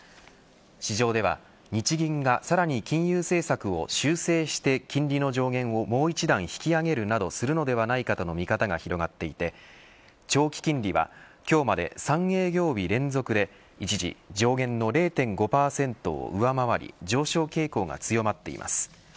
市場では日銀がさらに金融政策を修正して、金利の上限をもう一段引き上げるなどするのではないかとの見方が広がっていて長期金利は今日まで３営業日連続で一時上限の０．５％を上回り上昇傾向が強まっています。